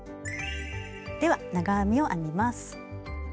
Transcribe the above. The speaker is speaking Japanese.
では長編みを編みます。